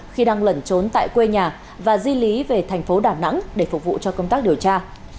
khi đang lẩn trốn tại quê nhà và di lý về thành phố đà nẵng để phục vụ cho công tác điều tra